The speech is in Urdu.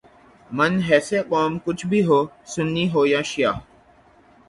من حیثء قوم کچھ بھی ہو، سنی ہو یا شعیہ